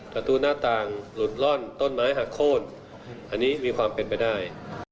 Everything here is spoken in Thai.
ประตูหน้าต่างหลุดล่อนต้นไม้หักโค้นอันนี้มีความเป็นไปได้